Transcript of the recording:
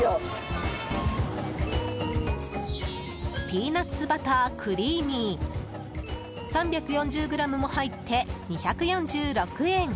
ピーナッツバタークリーミー３４０ｇも入って２４６円。